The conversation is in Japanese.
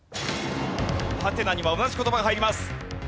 ハテナには同じ言葉が入ります。